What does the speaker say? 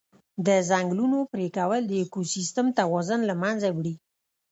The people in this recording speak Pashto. د ځنګلونو پرېکول د اکوسیستم توازن له منځه وړي.